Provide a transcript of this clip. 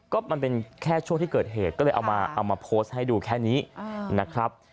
ก็มันเป็นแค่ช่วงที่เกิดเหตุก็เลยเอามาโพสต์ให้ดูแค่นี้นะครับ